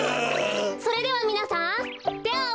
それではみなさんてをあわせて。